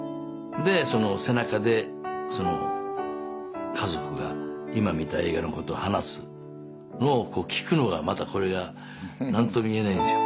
でその背中でその家族が今見た映画のことを話すのを聞くのがまたこれが何とも言えないんですよ。